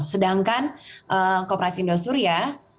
sedangkan kooperasi indosurya